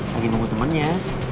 lagi nunggu temennya